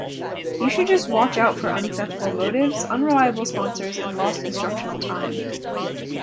You should just watch out for unacceptable motives, unreliable sponsors, and lost instructional time.